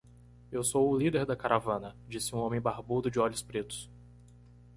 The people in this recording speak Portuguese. "Eu sou o líder da caravana?", disse um homem barbudo de olhos pretos.